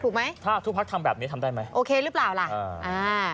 ไหมถ้าทุกพักทำแบบนี้ทำได้ไหมโอเคหรือเปล่าล่ะอ่าอ่า